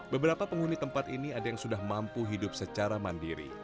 beberapa penghuni tempat ini ada yang sudah mampu hidup secara mandiri